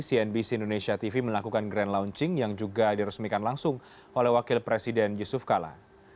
cnbc indonesia tv melakukan grand launching yang juga diresmikan langsung oleh wakil presiden yusuf kala